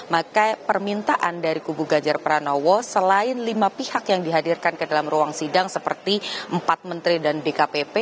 maka permintaan dari kubu gajar pranowo selain lima pihak yang dihadirkan ke dalam ruang sidang seperti empat menteri dan bkpp